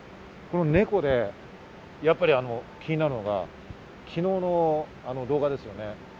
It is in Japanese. ネコでやっぱり気になるのが昨日の動画ですね。